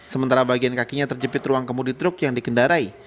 sementara bagian kakinya terjepit ruang kemudi truk yang dikendarai